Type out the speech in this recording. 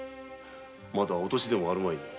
まだお年でもあるまいが。